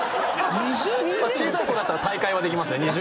小さい子だったら大会はできますね。